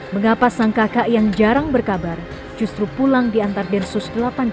mengapa sang kakak yang jarang berkabar justru pulang di antar densus delapan puluh delapan